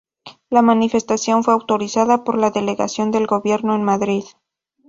La manifestación fue autorizada por la Delegación del Gobierno en Madrid.